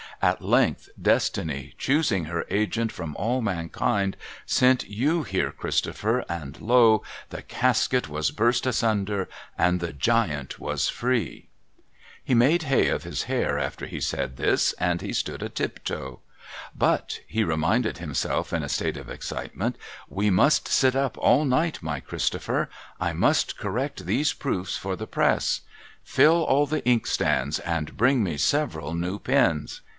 At length, Destiny, choosing her agent from all mankind, sent You here, Christopher, and lo ! the Casket was burst asunder, and the Giant was free !' He made hay of his hair after he said this, and he stood a tiptoe. ' But,' he reminded himself in a state of excitement, ' we must sit up all night, my Christopher. I must correct these Proofs for the press. Fill all the inkstands, and bring me several new pens.'